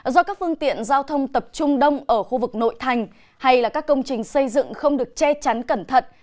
do các phương tiện giao thông tập trung đông ở khu vực nội thành hay là các công trình xây dựng không được che chắn cẩn thận